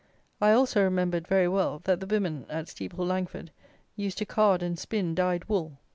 I also remembered, very well, that the women at Steeple Langford used to card and spin dyed wool.